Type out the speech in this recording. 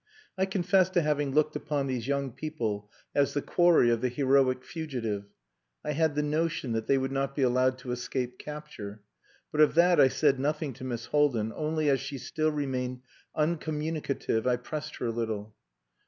I confess to having looked upon these young people as the quarry of the "heroic fugitive." I had the notion that they would not be allowed to escape capture. But of that I said nothing to Miss Haldin, only as she still remained uncommunicative, I pressed her a little.